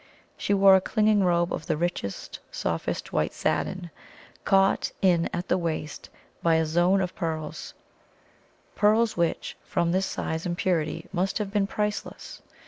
She wore a clinging robe of the richest, softest white satin, caught in at the waist by a zone of pearls pearls which, from their size and purity, must have been priceless.